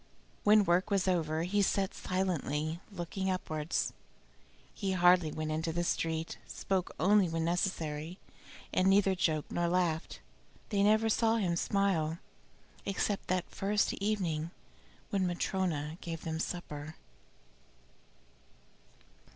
When work was over he sat silently, looking upwards. He hardly went into the street, spoke only when necessary, and neither joked nor laughed. They never saw him smile, except that first evening when Matryona gave them supper.